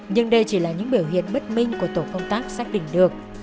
nhưng đây chỉ là những biểu hiện bất minh của tổ công tác xác định được